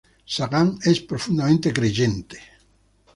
Sagan es profundamente creyente.